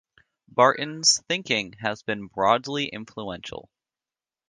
Barton's thinking has been broadly influential.